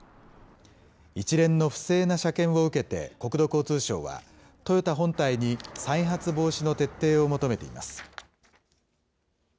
一連の不正な車検を受けて国土交通省は、トヨタ本体に再発防止の徹底を求めています。